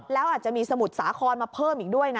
แล้วอาจจะมีสมุทรสาครมาเพิ่มอีกด้วยนะ